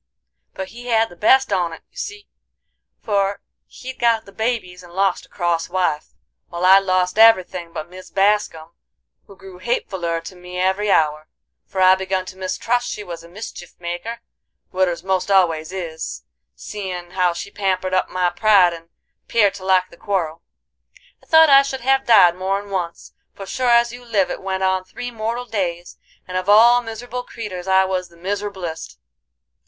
But he had the best on't you see, for he'd got the babies and lost a cross wife, while I'd lost every thing but Mis Bascum, who grew hatefuler to me every hour, for I begun to mistrust she was a mischief maker,—widders most always is,—seein' how she pampered up my pride and 'peared to like the quarrel. "I thought I should have died more'n once, for sure as you live it went on three mortal days, and of all miser'ble creeters I was the miser'blest.